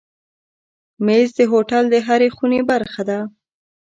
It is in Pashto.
مېز د هوټل د هرې خونې برخه ده.